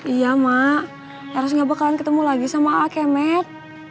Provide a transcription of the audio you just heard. iya mak harusnya bakalan ketemu lagi sama ala kemet